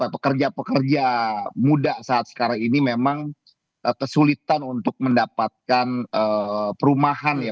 pekerja pekerja muda saat sekarang ini memang kesulitan untuk mendapatkan perumahan ya